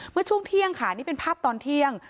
เมื่อช่วงเที่ยงค่ะนี่เป็นภาพตอนเที่ยง